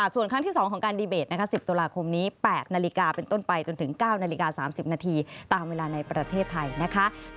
ส่วนครั้งที่๒ของการดีเบตนะคะ๑๐ตุลาคมนี้๘นาฬิกาเป็นต้นไปจนถึง๙นาฬิกา๓๐นาทีตามเวลาในประเทศไทยนะคะ